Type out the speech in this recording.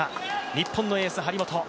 日本のエース・張本。